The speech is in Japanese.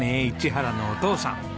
市原のお父さん。